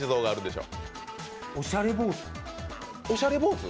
おしゃれ坊主。